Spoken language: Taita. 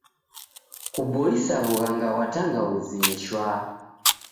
Kuboisa w'ughanga ghwa tangauzi ni shwaa.